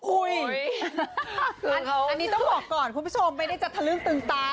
อุ้ยอันนี้ต้องบอกก่อนคุณผู้ชมไม่ได้จัดทะลึกตึงตั้ง